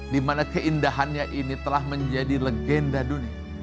dimana keindahannya ini telah menjadi legenda dunia